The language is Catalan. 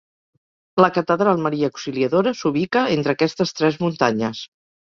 La catedral Maria Auxiliadora s'ubica entre aquestes tres muntanyes.